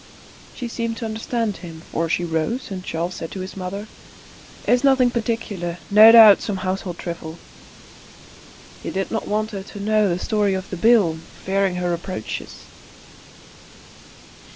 She seemed to understand him, for she rose; and Charles said to his mother, "It is nothing particular. No doubt, some household trifle." He did not want her to know the story of the bill, fearing her reproaches.